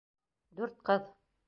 Дүрт ҡыҙ.